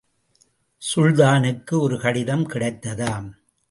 சுல்தானுக்கு ஒரு கடிதம் கிடைத்ததாம்.